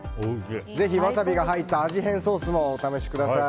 ぜひ、ワサビが入った味変ソースもお試しください。